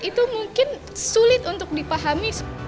itu mungkin sulit untuk dipahami